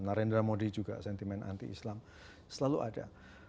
narendra modi juga sentimen anti islam selalu ada